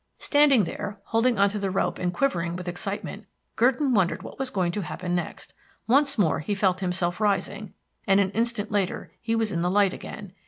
Standing there, holding on to the rope and quivering with excitement, Gurdon wondered what was going to happen next. Once more he felt himself rising, and an instant later he was in the light again.